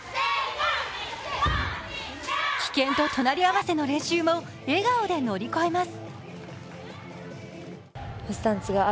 危険と隣り合わせの練習も笑顔で乗り越えます。